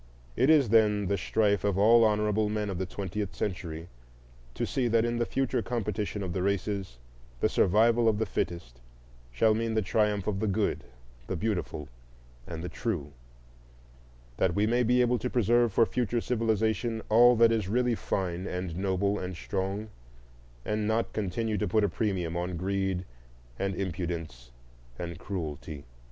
It is, then, the strife of all honorable men of the twentieth century to see that in the future competition of races the survival of the fittest shall mean the triumph of the good, the beautiful, and the true; that we may be able to preserve for future civilization all that is really fine and noble and strong, and not continue to put a premium on greed and impudence and cruelty.